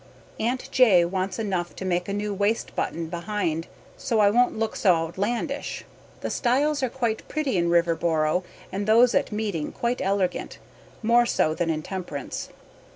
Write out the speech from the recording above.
Aunt J. wants enough to make a new waste button behind so I wont look so outlandish. The stiles are quite pretty in Riverboro and those at Meeting quite ellergant more so than in Temperance.